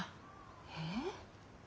えっ？